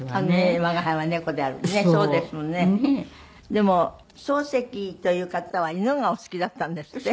でも漱石という方は犬がお好きだったんですって？